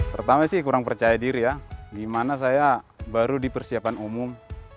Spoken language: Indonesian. pertama sih kurang percaya diri ya gimana saya baru di persiapan umum